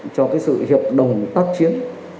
cho cái sự hiệp đồng tác chiến